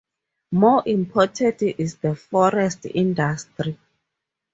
More important is the forest industry.